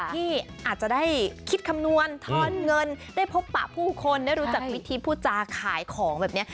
ที่อาจจะได้คิดคำนวณทอนเงินได้พบปะผู้คนได้รู้จักวิธีพูดจาขายของแบบนี้